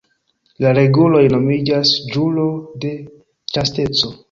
La reguloj nomiĝas "ĵuro de ĉasteco".